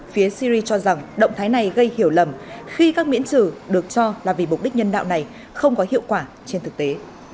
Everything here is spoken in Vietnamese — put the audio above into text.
phía syri cho rằng động thái này gây hiểu lầm khi các miễn trừ được cho là vì mục đích nhân đạo này không có hiệu quả trên thực tế